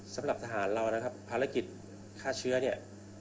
สำหรับทหารเรานะครับภารกิจฆ่าเชื้อเนี่ย